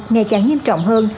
ngày càng nghiêm trọng hơn